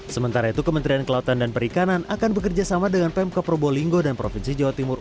sementara itu kementerian kelautan dan perikanan akan bekerjasama dengan pemkap probolinggo dan provinsi jawa timur